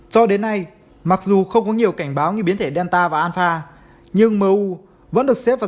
cho đến nay mặc dù không có nhiều cảnh báo như biến thể danta và anfa nhưng mou vẫn được xếp vào